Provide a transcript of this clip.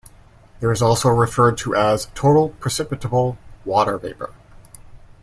This is also referred to as "total precipitable water vapour".